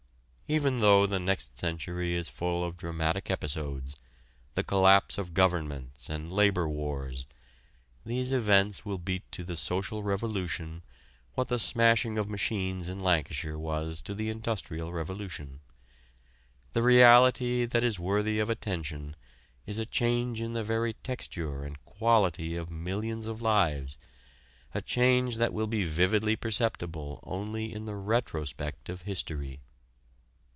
Even though the next century is full of dramatic episodes the collapse of governments and labor wars these events will be to the social revolution what the smashing of machines in Lancashire was to the industrial revolution. The reality that is worthy of attention is a change in the very texture and quality of millions of lives a change that will be vividly perceptible only in the retrospect of history.